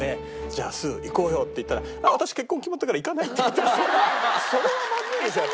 「じゃあすう行こうよ！」って言ったら「私結婚決まったから行かない」って言ったらそれはまずいでしょ。